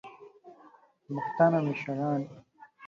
پښتانه مشران